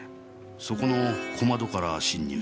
そこの小窓から侵入してます。